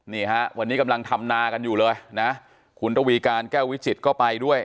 นี่ฮะวันนี้กำลังทำนากันอยู่เลยนะคุณระวีการแก้ววิจิตรก็ไปด้วย